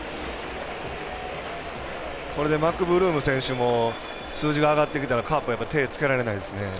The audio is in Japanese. マクブルーム選手も数字が上がってきたらカープはやっぱり手がつけられないですね。